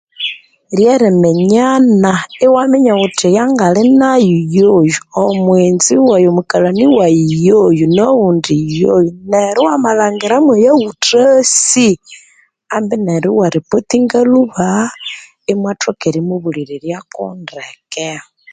Ryeriminyana eriminya wuthi omundu ayangalinayo yoyu nowundi yoyo neryo wamalhangira oyuwuthasi ambi neryo iwariportinga luba